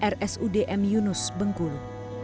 rsudm yunus bengkulu